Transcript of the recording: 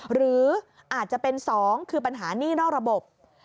หรืออาจจะเป็น๒คือปัญหานี่นอกระบบ